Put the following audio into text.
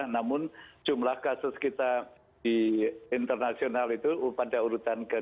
namun jumlah kasus kita di internasional itu pada urutan ke dua puluh